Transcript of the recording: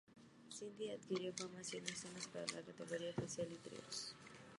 Cindy adquirió fama haciendo escenas para las categorías facial y tríos.